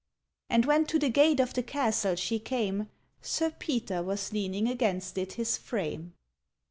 And when to the gate of the castle she came, Sir Peter was leaning against it his frame.